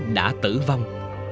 đã tử vong